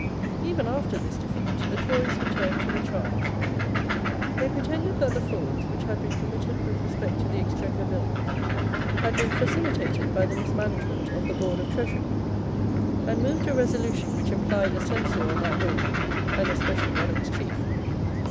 Even after this defeat the Tories returned to the charge. They pretended that the frauds which had been committed with respect to the Exchequer Bills had been facilitated by the mismanagement of the Board of Treasury, and moved a resolution which implied a censure on that Board, and especially on its chief.